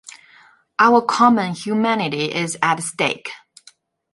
Our common humanity is at stake.